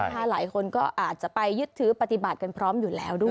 หลายคนก็อาจจะไปยึดถือปฏิบัติกันพร้อมอยู่แล้วด้วย